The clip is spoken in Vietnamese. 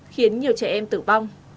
khiến nhiều trẻ em tử bong